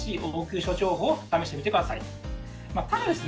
ただですね